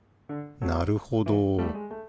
なるほど。